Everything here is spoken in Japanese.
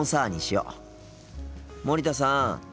森田さん。